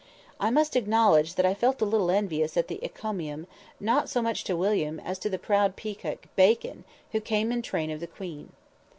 I must acknowledge that I felt a little envious at the encomium, not so much to William, as to the proud peacock, Bacon, who came in the train of the Queen.